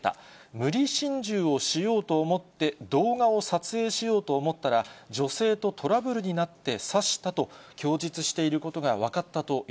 無理心中をしようと思って、動画を撮影しようと思ったら、女性とトラブルになって刺したと、供述していることが分かったとい